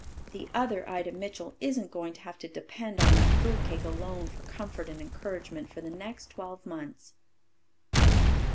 The other Ida Mitchell isn't going to have to depend on that fruit cake alone for comfort and encouragement for the next twelve months."